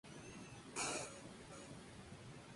Comenzó en la cantera del Rayo Vallecano.